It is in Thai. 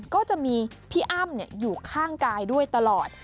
ก็จะมีพี่อ้ำอยู่ข้างกายด้วยตลอด